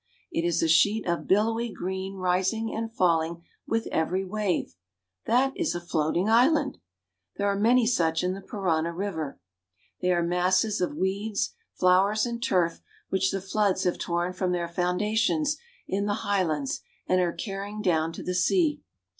It is a sheet of billowy green rising and falling with every wave. That is a floating island! There are many such in the Parana river. They are masses of weeds, flowers, and turf which the floods have torn from their foundations in the high lands and are carrying down to the sea.